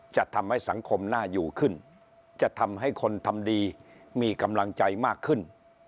จะทำให้สังคมน่าอยู่ขึ้นจะทำให้คนทำดีมีกำลังใจมากขึ้น